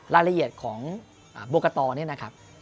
รายละเอียดของบกตนี่นะครับ